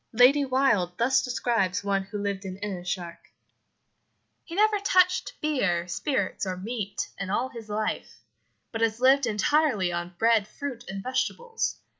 Lady Wilde thus describes one who lived in Innis Sark: "He never touched beer, spirits, or meat in all his life, but has lived entirely on bread, fruit, and vegetables.